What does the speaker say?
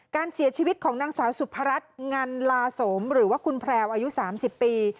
การเสียชีวิตของนางสาวสุพรัชงันลาสมหรือว่าคุณแพรวอายุ๓๐ปี